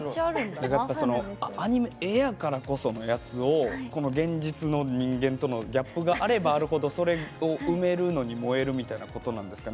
絵やからこその現実の人間とのギャップがあればあるほどそれを埋めるのに燃えるみたいなことなんですかね。